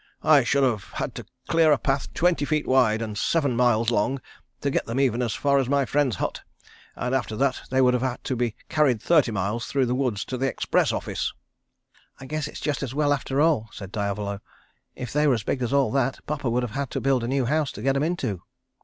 I should have had to clear a path twenty feet wide and seven miles long to get them even as far as my friend's hut, and after that they would have had to be carried thirty miles through the woods to the express office." "I guess it's just as well after all," said Diavolo. "If they were as big as all that, Papa would have had to build a new house to get 'em into."